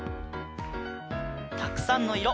たくさんのいろ